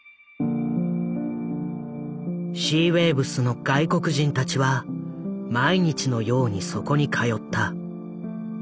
シーウェイブスの外国人たちは毎日のようにそこに通った。